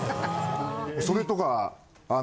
それとか。